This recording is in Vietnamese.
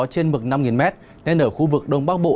trên mực năm m nên ở khu vực đông bắc bộ